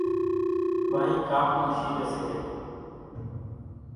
ٻائِي ڪاپڙون شيويَ سي رئِي۔